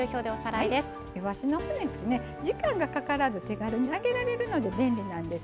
いわしの骨ってね時間がかからず手軽に揚げられるので便利なんです。